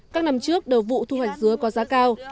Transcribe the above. các năm trước đầu vụ thu hoạch dứa có giá cao